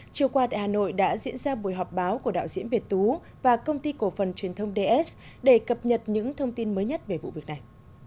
chiều qua tại hà nội đã diễn ra buổi họp báo của đạo diễn việt tú và công ty cổ phần truyền thông ds để cập nhật những thông tin mới nhất về vụ việc này